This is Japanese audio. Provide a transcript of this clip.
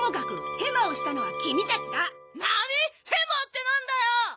ヘマってなんだよ！